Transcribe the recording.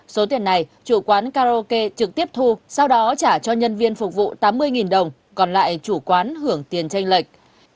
số tiền này chủ quán karaoke trực tiếp thu sau đó trả cho nhân viên phục vụ tám mươi đồng còn lại chủ quán hưởng tiền tranh lệch